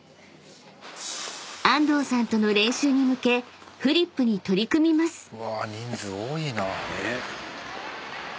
［安藤さんとの練習に向けフリップに取り組みます］